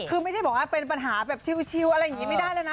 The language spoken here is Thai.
คือไม่ได้บอกว่าเป็นปัญหาแบบชิวอะไรอย่างนี้ไม่ได้แล้วนะ